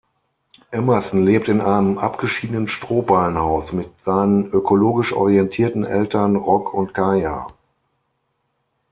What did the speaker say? Emerson lebt in einem abgeschiedenen Strohballen-Haus mit seinen ökologisch orientierten Eltern Rog und Kaya.